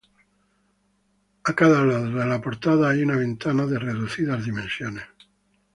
A cada lado de la portada hay una ventana de reducidas dimensiones.